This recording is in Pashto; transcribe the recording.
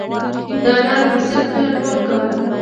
د انارو حاصل کله ټول کړم؟